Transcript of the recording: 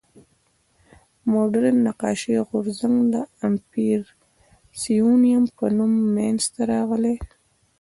مډرن نقاشي غورځنګ د امپرسیونیېم په نوم منځ ته راغی.